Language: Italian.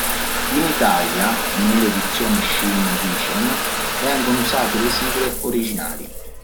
In Italia, nella edizione Shin Vision, vengono usate le sigle originali.